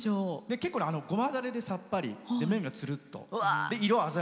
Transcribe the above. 結構、ごまだれでさっぱり麺がつるっと。